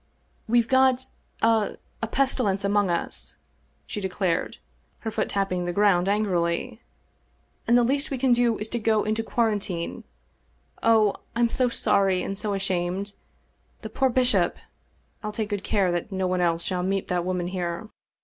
" We've got a — ^a pestilence among us," she declared, her foot tapping the ground angrily, " and the least we can do is to go into quarantine. Oh, I'm so sorry and so ashamed! The poor bishop I I'll take good care that no one else shall meet that woman here.